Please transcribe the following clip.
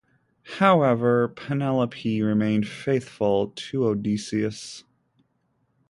However, Penelope remained faithful to Odysseus.